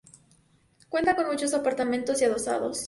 Cuenta con muchos apartamentos y adosados.